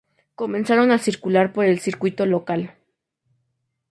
Comenzaron a circular por el circuito local.